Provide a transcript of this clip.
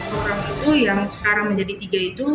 empat orang itu yang sekarang menjadi tiga itu